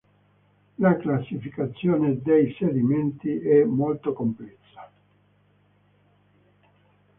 La "classificazione dei sedimenti" è molto complessa.